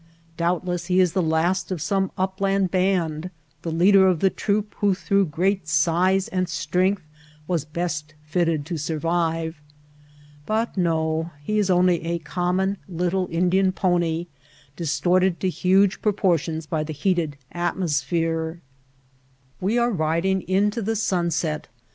Doubtless he is the last of some upland band, the leader of the troop who through great size and strength was best fitted to survive. But no ; he is only a common little Indian pony distorted to huge proportions by the heat ed atmosphere. We are riding into the sunset.